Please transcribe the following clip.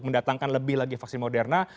mendatangkan lebih lagi vaksin moderna